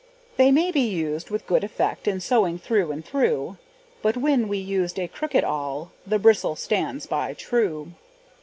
They may be used with good effect, In sewing through and through; But when we use a crooked awl, The bristle stands by true.